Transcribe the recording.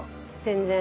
全然。